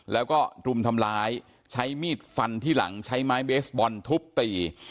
แล้วก็รุมทำร้ายใช้มีดฟันที่หลังใช้ไม้เบสบอลทุบตี